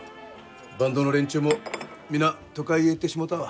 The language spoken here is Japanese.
バンドの連中も皆都会へ行ってしもうたわ。